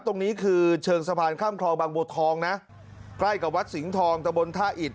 ตรงนี้คือเชิงสะพานข้ามคลองบางบัวทองนะใกล้กับวัดสิงห์ทองตะบนท่าอิด